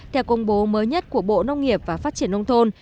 theo công bố mới nhất của bộ nông nghiệp và phát triển nông thôn